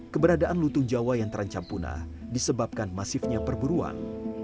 keberadaan lutung jawa yang terancam punah disebabkan masifnya perburuan